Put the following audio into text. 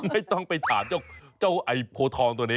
ไม่ต้องไปถามเจ้าไอ้โพทองตัวนี้